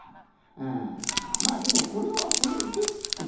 あまあでもこれはこれでちょっとたのしい。